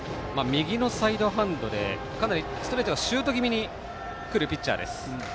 右のサイドハンドでかなりストレートがシュート気味にくるピッチャーです。